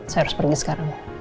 saya harus pergi sekarang